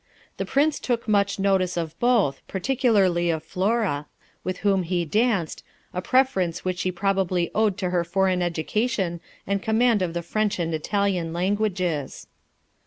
The Prince took much notice of both, particularly of Flora, with whom he danced, a preference which she probably owed to her foreign education and command of the French and Italian languages.